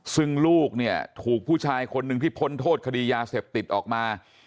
ซึ่งลูกเนี่ยถูกผู้ชายคนหนึ่งที่พ้นโทษคดียาเสพติดออกมา